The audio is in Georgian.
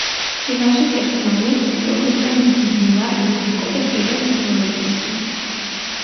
ფინალში პერსონალურად მოწვეული იყვნენ ლიუდმილა რუდენკო და კირა ზვორიკინა.